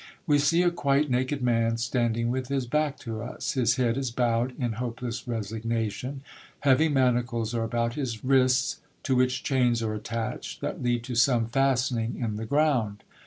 We see a quite naked man, standing with his back to us; his head is bowed in hopeless resignation; heavy manacles are about his wrists, to which chains are attached, that lead to some fastening in the ground.